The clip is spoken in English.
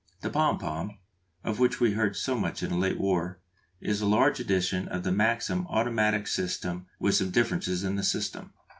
The Pom pom, of which we have heard so much in the late war, is a large edition of the Maxim automatic system with some differences in the system.